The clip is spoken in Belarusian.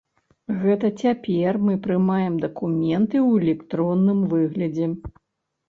Гэта цяпер мы прымаем дакументы ў электронным выглядзе.